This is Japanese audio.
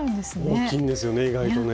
大きいんですよね意外とね。